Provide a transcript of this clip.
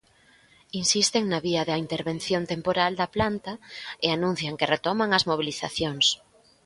Insisten na vía da intervención temporal da planta e anuncian que retoman as mobilizacións.